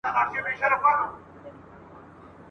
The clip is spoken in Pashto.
نن سهار مي پر اورغوي فال کتلی !.